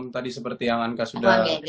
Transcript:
tadi seperti yang anka sudah